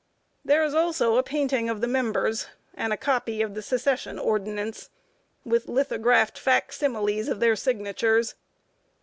There is also a painting of the members, and a copy of the Secession ordinance, with lithographed fac similes of their signatures.